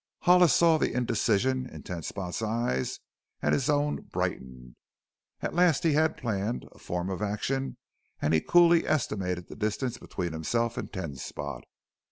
Hollis saw the indecision in Ten Spot's eyes and his own brightened. At last he had planned a form of action and he cooly estimated the distance between himself and Ten Spot.